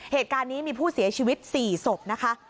เหตุการณ์นี้มีผู้เสียชีวิต๔ศพนะคะ